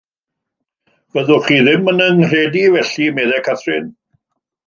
'Fyddwch chi ddim yn fy nghredu, felly?' meddai Catherine.